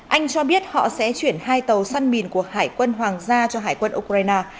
anh cho biết họ sẽ chuyển hai tàu săn mìn của hải quân hoàng gia cho hải quân ukraine